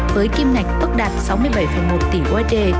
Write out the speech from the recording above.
với kim ngạch ước đạt sáu mươi bảy một tỷ usd